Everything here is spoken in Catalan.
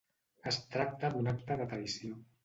Es tracta d’un acte de traïció.